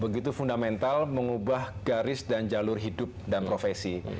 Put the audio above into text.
begitu fundamental mengubah garis dan jalur hidup dan profesi